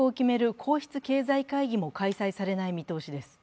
皇室経済会議も開催されない見通しです。